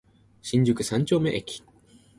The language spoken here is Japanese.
新宿三丁目駅